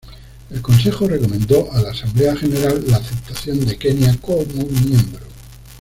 El Consejo recomendó a la Asamblea General la aceptación de Kenia como miembro.